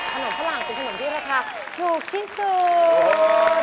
ขนมฝรั่งปกติเหมือนที่ราคาถูกที่สุด